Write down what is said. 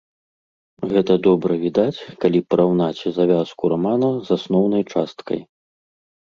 Гэта добра відаць, калі параўнаць завязку рамана з асноўнай часткай.